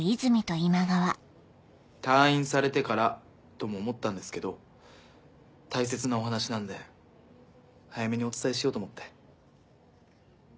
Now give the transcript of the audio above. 退院されてからとも思ったんですけど大切なお話なんで早めにお伝えしようと思って。